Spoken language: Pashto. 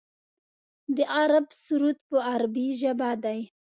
د عرب سرود په عربۍ ژبه دی.